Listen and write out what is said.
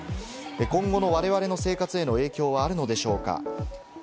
今後のわれわれの生活への影響はあるのでしょうか？